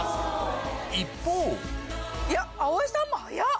一方葵さんも早っ。